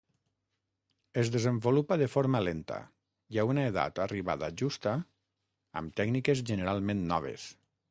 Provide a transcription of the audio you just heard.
Es desenvolupa de forma lenta, i a una edat arribada justa, amb tècniques generalment noves.